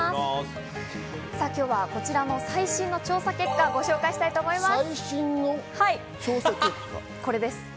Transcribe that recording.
今日はこちらの最新の調査結果、ご紹介したいと思います。